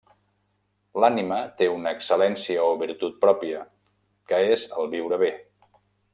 L'ànima té una excel·lència o virtut pròpia, que és el viure bé.